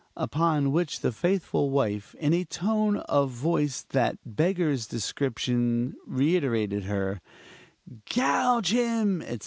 Upon which the faithful wife, in a tone of voice that beggars description, reiterated her "Gouge him," etc.